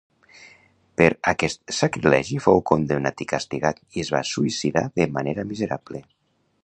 Per aquest sacrilegi fou condemnat i castigat i es va suïcidar de manera miserable.